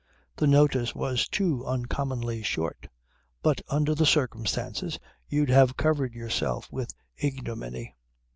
The notice was too uncommonly short. But under the circumstances you'd have covered yourself with ignominy."